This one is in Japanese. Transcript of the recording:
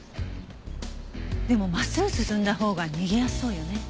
でも真っすぐ進んだほうが逃げやすそうよね。